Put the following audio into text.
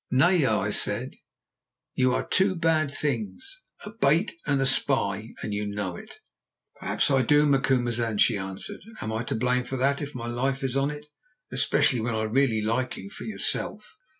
"Naya," I said, "you are two bad things—a bait and a spy—and you know it." "Perhaps I do, Macumazahn," she answered. "Am I to blame for that, if my life is on it, especially when I really like you for yourself?"